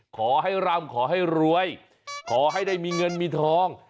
ขอให้รำขอให้รวยขอให้ได้มีเงินมีทอง